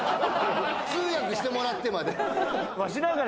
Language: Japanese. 通訳してもらってまで。